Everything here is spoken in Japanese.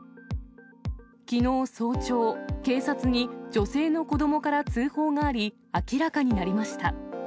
きのう早朝、警察に、女性の子どもから通報があり、明らかになりました。